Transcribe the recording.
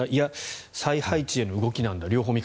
撤退だいや再配置への動きなんだ